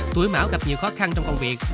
tuổi mảo gặp nhiều khó khăn trong công việc